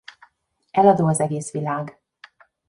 Eladó az egész világ!